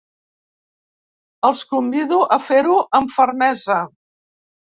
Els convido a fer-ho amb fermesa.